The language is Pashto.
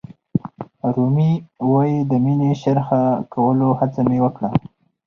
رومي وایي د مینې شرحه کولو هڅه مې وکړه.